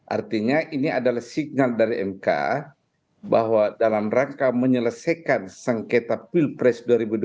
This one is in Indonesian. artinya ini adalah signal dari mk bahwa dalam rangka menyelesaikan sengketa pilpres dua ribu dua puluh